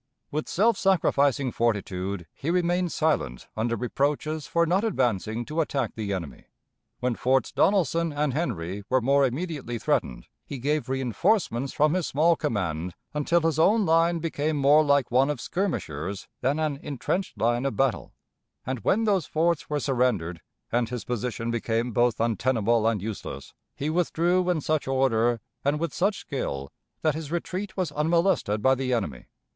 With self sacrificing fortitude he remained silent under reproaches for not advancing to attack the enemy. When Forts Donelson and Henry were more immediately threatened, he gave reënforcements from his small command until his own line became more like one of skirmishers than an intrenched line of battle; and when those forts were surrendered, and his position became both untenable and useless, he withdrew in such order and with such skill that his retreat was unmolested by the enemy.